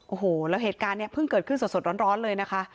โอ้โหแล้วเหตุการณ์เนี่ยเพิ่งเกิดขึ้นสดร้อนเลยนะคะ